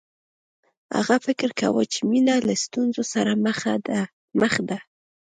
هغه فکر کاوه چې مینه له ستونزو سره مخ ده